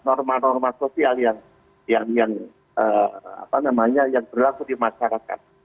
norma norma sosial yang berlaku di masyarakat